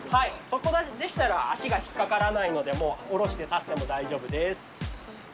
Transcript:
そこまででしたら足が引っ掛からないので、もう降ろして立っても大丈夫です。